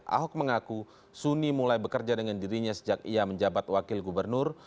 ahok mengaku suni mulai bekerja dengan dirinya sejak ia menjabat wakil gubernur